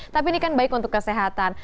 tapi ini kan baik untuk kesehatan